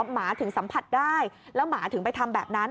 หมาถึงสัมผัสได้แล้วหมาถึงไปทำแบบนั้น